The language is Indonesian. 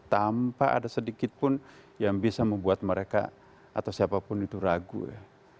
tanpa ada sedikit pun yang bisa membuat mereka atau siapapun itu ragu ya